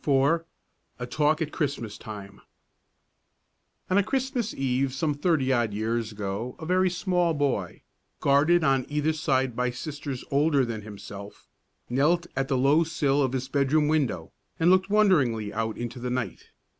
IV A TALK AT CHRISTMAS TIME On a Christmas Eve some thirty odd years ago a very small boy, guarded on either side by sisters older than himself, knelt at the low sill of his bedroom window and looked wonderingly out into the night.